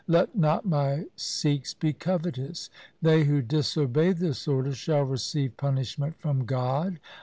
Let not my Sikhs be covetous. They who disobey this order shall receive punishment from God.